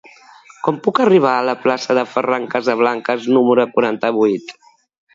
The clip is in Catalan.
Com puc arribar a la plaça de Ferran Casablancas número quaranta-vuit?